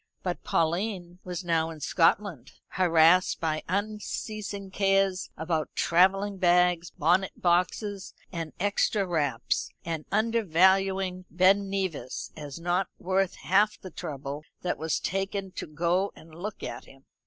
But Pauline was now in Scotland, harassed by unceasing cares about travelling bags, bonnet boxes, and extra wraps, and under valuing Ben Nevis as not worth half the trouble that was taken to go and look at him.